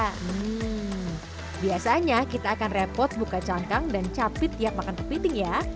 hmm biasanya kita akan repot buka cangkang dan capit tiap makan kepiting ya